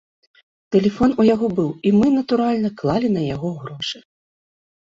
Тэлефон у яго быў, і мы, натуральна, клалі на яго грошы.